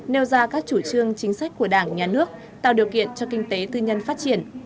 nêu ra các chủ trương chính sách của đảng nhà nước tạo điều kiện cho kinh tế tư nhân phát triển